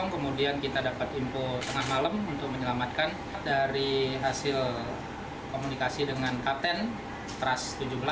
kemudian kita dapat info tengah malam untuk menyelamatkan dari hasil komunikasi dengan kapten tras tujuh belas